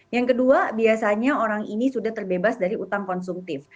yang kedua biasanya orang ini sudah terbebas dari utang konsumtif